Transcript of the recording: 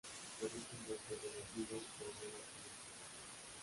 Se reproducen dentro de los higos pero no los polinizan.